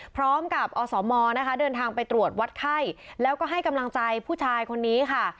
พร้อมกับอสมนะคะเดินทางไปตรวจวัดไข้แล้วก็ให้กำลังใจผู้ชายคนนี้ค่ะ